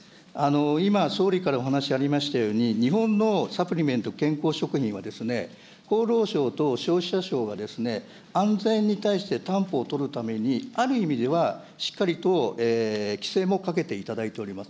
今、総理からお話ありましたように、日本のサプリメント、健康食品は厚労省と消費者庁が、安全に対して担保を取るために、ある意味ではしっかりと規制もかけていただいております。